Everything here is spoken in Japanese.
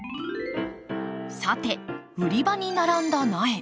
さて売り場に並んだ苗。